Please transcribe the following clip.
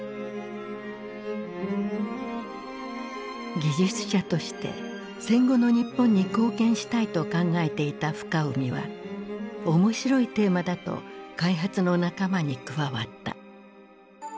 技術者として戦後の日本に貢献したいと考えていた深海は面白いテーマだと開発の仲間に加わった。